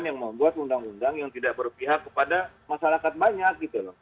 yang membuat undang undang yang tidak berpihak kepada masyarakat banyak gitu loh